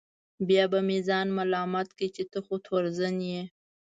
بیا به مې ځان ملامت کړ چې ته خو تورزن یې.